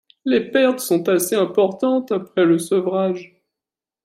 Les pertes sont assez importantes après le sevrage.